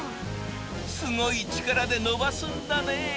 すごい力でのばすんだね。